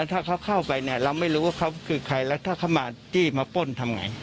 ถ้าเข้าไปเราไม่รู้ว่าเขาคือใครแล้วถ้าเขามมาป้นทำไง